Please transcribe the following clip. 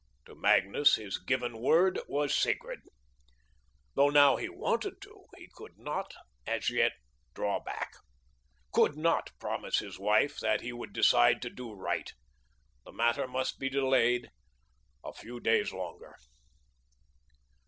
To Magnus, his given word was sacred. Though now he wanted to, he could not as yet draw back, could not promise his wife that he would decide to do right. The matter must be delayed a few days longer.